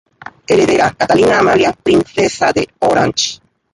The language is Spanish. Heredera: Catalina Amalia, princesa de Orange.